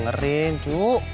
jangan didengerin cu